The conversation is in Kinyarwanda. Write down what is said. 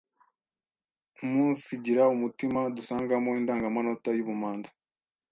umunsigira umutima dusangamo indangamanota y’ubumanzi